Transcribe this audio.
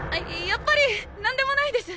やっぱり何でもないです！